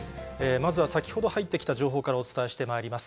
まずは先ほど入ってきた情報からお伝えしてまいります。